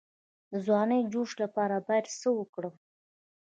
د ځوانۍ د جوش لپاره باید څه وکړم؟